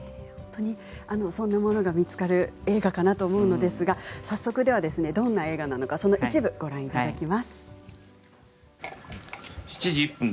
そういうものが見つかる映画かなと思うんですが早速、その一部をご覧いただきます。